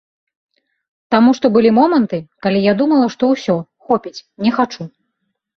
Таму што былі моманты, калі я думала, што ўсё, хопіць, не хачу.